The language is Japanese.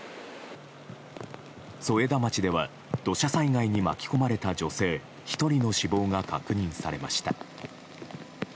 添田町では土砂災害に巻き込まれた女性１人の死亡が確認されました。